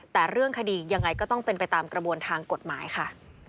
แต่เรื่องคดียังไงก็ต้องเป็นไปตามกระบวนทางกฎหมายค่ะ